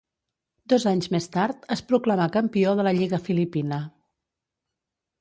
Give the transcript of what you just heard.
Dos anys més tard es proclamà campió de la lliga filipina.